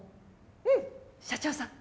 うん社長さん